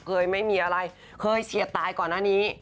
ไม่มีอะไรเคยเฉียดตายก่อนหน้านี้